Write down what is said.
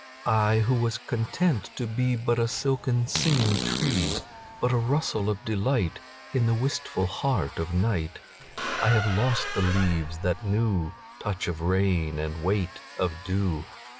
I who was content to beBut a silken singing tree, But a rustle of delightIn the wistful heart of night,I have lost the leaves that knewTouch of rain and weight of dew.